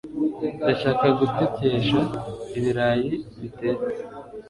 Ndashaka gutekesha ibirayi bitetse.